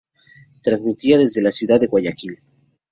Transmitía desde la ciudad de Guayaquil.